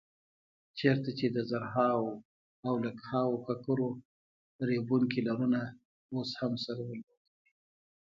چېرته چې د زرهاو او لکهاوو ککرو ریبونکي لرونه اوس هم سرونه لو کوي.